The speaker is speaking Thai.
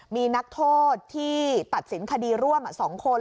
มีนักโทษที่ตัดสินคดีร่วม๒คน